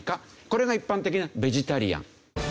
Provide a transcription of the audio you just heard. これが一般的なベジタリアン。